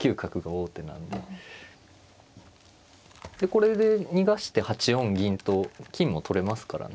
これで逃がして８四銀と金も取れますからね。